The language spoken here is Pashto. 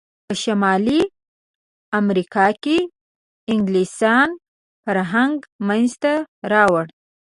په شمالي امریکا کې انګلسان فرهنګ منځته راوړ.